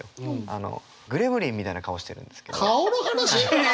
あのグレムリンみたいな顔してるんですけど。